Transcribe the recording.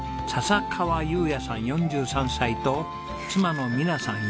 笹川雄也さん４３歳と妻の美奈さん